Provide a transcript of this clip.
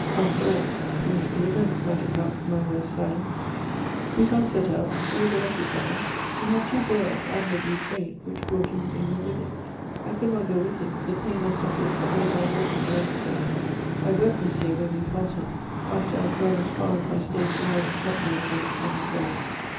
After all, political events might account for my wife's silence! "Boutin set out. He was a lucky fellow! He had two bears, admirably trained, which brought him in a living. I could not go with him; the pain I suffered forbade my walking long stages. I wept, monsieur, when we parted, after I had gone as far as my state allowed in company with him and his bears.